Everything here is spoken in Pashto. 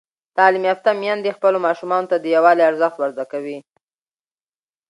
تعلیم یافته میندې خپلو ماشومانو ته د یووالي ارزښت ور زده کوي.